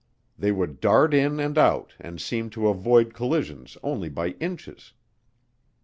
They would dart in and out and seemed to avoid collisions only by inches.